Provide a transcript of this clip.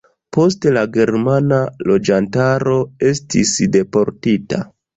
Poste la germana loĝantaro estis deportita.